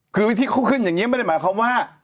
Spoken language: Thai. คือวิธีเขาขึ้นอย่างนี้ไม่ได้หมายความว่า